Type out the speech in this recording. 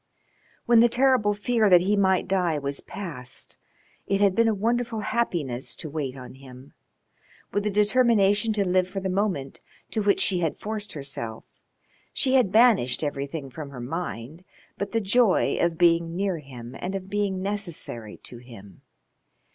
When the terrible fear that he might die was past it had been a wonderful happiness to wait on him. With the determination to live for the moment, to which she had forced herself, she had banished everything from her mind but the joy of being near him and of being necessary to him.